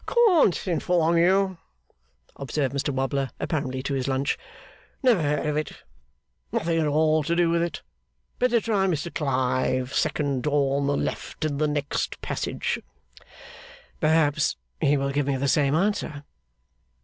'Can't inform you,' observed Mr Wobbler, apparently to his lunch. 'Never heard of it. Nothing at all to do with it. Better try Mr Clive, second door on the left in the next passage.' 'Perhaps he will give me the same answer.